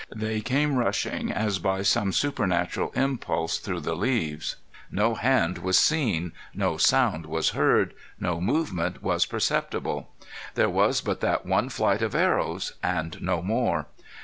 They came rushing, as by some supernatural impulse, through the leaves. No hand was seen. No sound was heard. No movement was perceptible. There was but that one flight of arrows and no more.